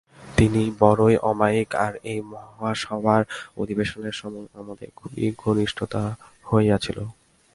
তিনি বড়ই অমায়িক, আর এই মহাসভার অধিবেশনের সময় আমাদের খুব ঘনিষ্ঠতা হইয়াছিল।